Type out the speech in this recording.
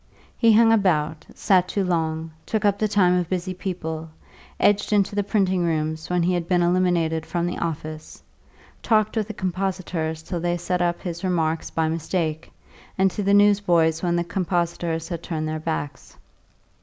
He hung about, sat too long, took up the time of busy people, edged into the printing rooms when he had been eliminated from the office, talked with the compositors till they set up his remarks by mistake, and to the newsboys when the compositors had turned their backs.